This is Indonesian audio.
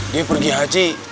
dia pergi haji